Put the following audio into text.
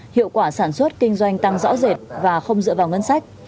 hiệu quả sản xuất kinh doanh tăng rõ rệt và không dựa vào ngân sách